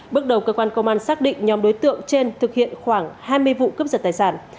bước đầu cơ quan công an xác định nhóm đối tượng trên thực hiện khoảng hai mươi vụ cướp giật tài sản